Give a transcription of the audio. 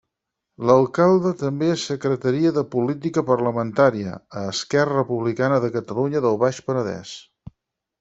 L'alcalde també és Secretaria de Política Parlamentària, a Esquerra Republicana de Catalunya del Baix Penedès.